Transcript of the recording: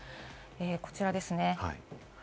こちらです。